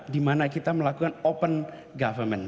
dimana kita melakukan open government